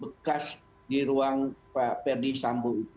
bekas di ruang pak ferdie sambu itu